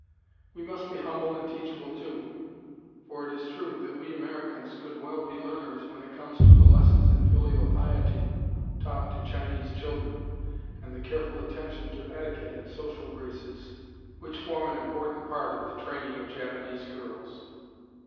We must be humble and teachable too, for it is true that we Americans could well be learners when it comes to the lessons in filial piety taught to Chinese children, and the careful attention to etiquette and social graces which form an important part of the training of Japanese girls.